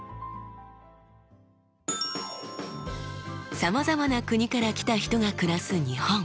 さまざまな国から来た人が暮らす日本。